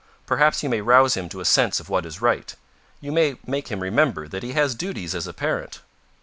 Perhaps you may rouse him to a sense of what is right. You may make him remember that he has duties as a parent."